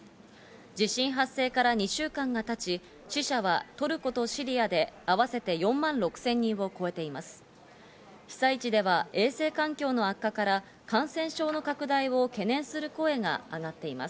地震発生から２週間が経ち、死者はトルコとシリアであわせて４万６０００人を超えています。